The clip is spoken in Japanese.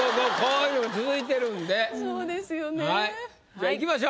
じゃあいきましょう。